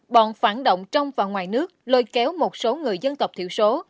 bọn phản động trong và ngoài nước lôi kéo một số người dân tộc thiểu số